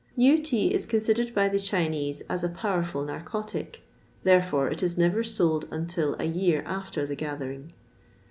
New tea is considered by the Chinese as a powerful narcotic, therefore it is never sold until a year after the gathering.